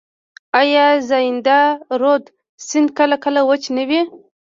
آیا زاینده رود سیند کله کله وچ نه وي؟